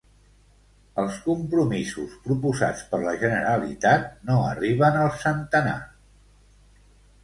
Els compromisos proposats per la Generalitat no arriben al centenar